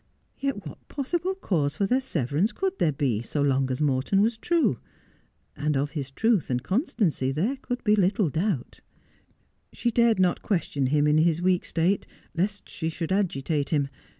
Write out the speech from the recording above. Yet what possible cause for their severance could there Never Again. 209 be so long as Morton was true ? and of his truth and constancy there could be little doubt. _ She dared not question him in his weak state, lest she should agitate him.